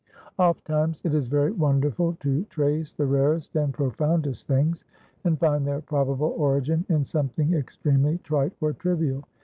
Ofttimes it is very wonderful to trace the rarest and profoundest things, and find their probable origin in something extremely trite or trivial.